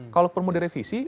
kalau perlu direvisi